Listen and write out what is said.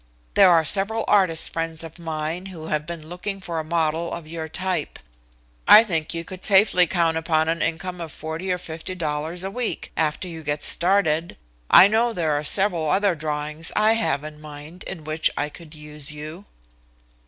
There are several artist friends of mine who have been looking for a model of your type. I think you could safely count upon an income of $40 or $50 a week after you get started. I know there are several other drawings I have in mind in which I could use you."